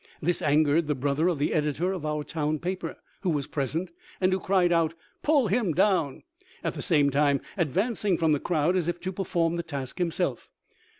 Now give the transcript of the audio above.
This angered the brother of the editor of our town paper, who was present, and who cried out, " Pull him down," at the same time advancing from the crowd as if to perform the task himself.